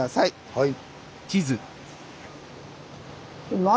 はい。